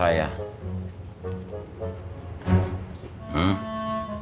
kamu yang mau matiin lampu atau saya